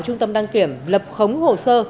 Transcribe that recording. trung tâm đăng kiểm lập khống hồ sơ